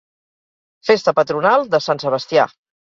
Festa patronal de Sant Sebastià.